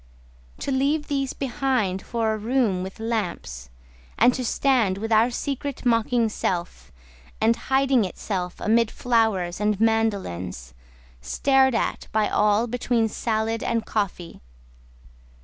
To leave these behind for a room with lamps: And to stand with our Secret mocking itself, And hiding itself amid flowers and mandolins, Stared at by all between salad and coffee.